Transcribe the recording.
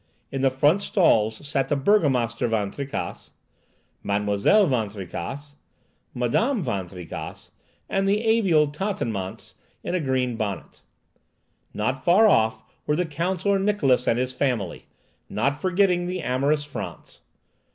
In the front stalls sat the Burgomaster Van Tricasse, Mademoiselle Van Tricasse, Madame Van Tricasse, and the amiable Tatanémance in a green bonnet; not far off were the Counsellor Niklausse and his family, not forgetting the amorous Frantz.